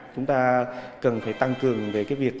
chúng ta cần phải tăng cường về cái việc